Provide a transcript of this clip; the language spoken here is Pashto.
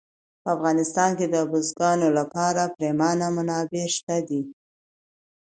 په افغانستان کې د بزګانو لپاره پریمانه منابع شته دي.